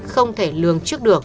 không thể lường trước được